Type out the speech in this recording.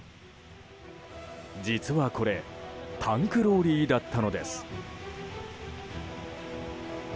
実はこれタンクローリーだったのです。